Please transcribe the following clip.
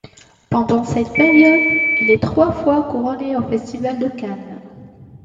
Pendant cette période, il est trois fois couronné au Festival de Cannes.